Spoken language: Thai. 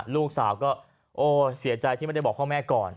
ลูกสาวก็โอ้เสียใจที่ไม่ได้บอกพ่อแม่ก่อน